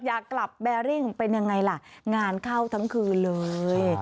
อยากกลับแบริ่งเป็นยังไงล่ะงานเข้าทั้งคืนเลย